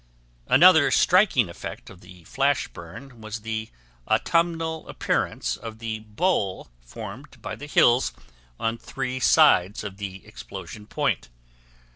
Another striking effect of the flash burn was the autumnal appearance of the bowl formed by the hills on three sides of the explosion point.